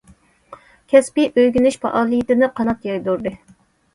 كەسپى ئۆگىنىش پائالىيىتىنى قانات يايدۇردى.